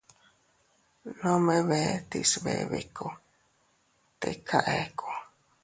Nome bee tiis bee biku, tika eku.